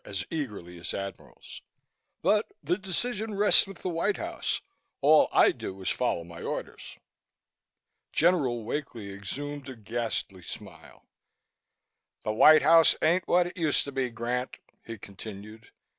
as eagerly as Admirals "but the decision rests with the White House. All I do is to follow my orders." General Wakely exhumed a ghastly smile. "The White House ain't what it used to be, Grant," he continued.